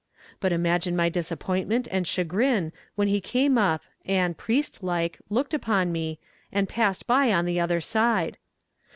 But imagine my disappointment and chagrin when he came up and, priest like, looked upon me, "and passed by on the other side."